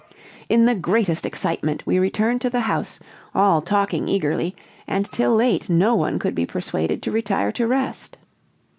In the greatest excitement we returned to the house, all talking eagerly, and till late no one could be persuaded to retire to rest.